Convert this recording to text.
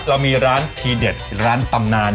เรามีร้านทีเด็ดร้านตำนาน